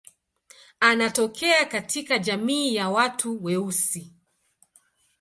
Anatokea katika jamii ya watu weusi.